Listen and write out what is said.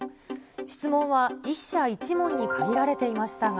質問は１社１問に限られていましたが。